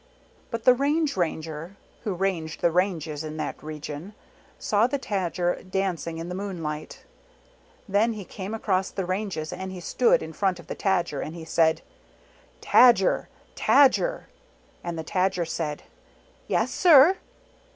But the Range Ranger, who ranged the ranges in that region, saw the Tajar dancing in the moonlight Then he came across the ranges, and he stood in front of the Tajer, and he said, "Tajer! Tajer!" And the Tajer said, " Yes, sir!